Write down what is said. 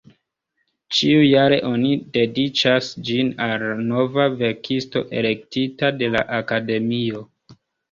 Ĉiujare oni dediĉas ĝin al nova verkisto, elektita de la Akademio.